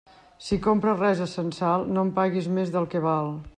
Si compres res a censal, no en paguis més del que val.